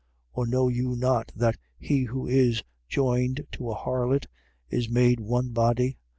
6:16. Or know you not that he who is joined to a harlot is made one body?